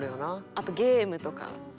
あとゲームとか。